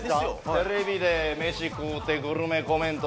テレビで飯食うてグルメコメントして。